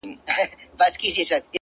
ما مينه ورکړله، و ډېرو ته مي ژوند وښودئ،